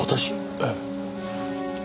ええ。